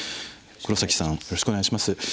黒さんよろしくお願いします。